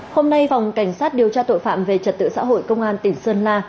hôm nay phòng cảnh sát điều tra tội phạm về trật tự xã hội công an tỉnh sơn la